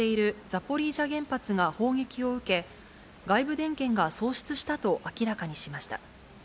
ザポリージャ原発が砲撃を受け、外部電源が喪失したと明らかにしました。